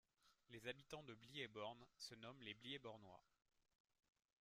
Les habitants de Blis-et-Born se nomment les Blis-et-Bornois.